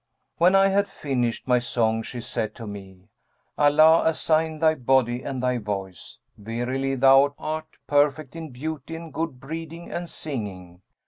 When I had finished my song she said to me, 'Allah assain thy body and thy voice! Verily, thou art perfect in beauty and good breeding and singing.